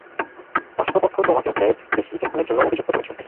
রাষ্টপক্ষ তোমাকে ফ্রেড কেসলিকে খুনের জন্য অভিযুক্ত করেছে।